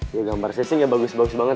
ya gambarnya sih ya bagus bagus banget